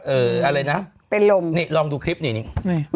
เอออะไรนะนี่ลองดูคลิปไหนนิ่ง